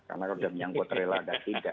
karena sudah menyangkut rela ada tiga